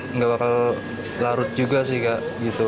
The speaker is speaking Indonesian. enggak bakal larut juga sih kak